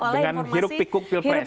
dengan hirup pikuk pilpres